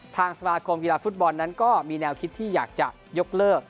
ทางสมาคมกีฬาฟุตบอลนั้นก็มีแนวคิดที่อยากจะยกเลิก